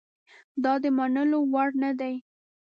دا د منلو وړ نه دي.